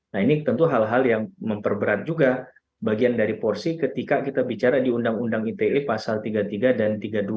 nah ini tentu hal hal yang memperberat juga bagian dari porsi ketika kita bicara di undang undang ite pasal tiga puluh tiga dan tiga puluh dua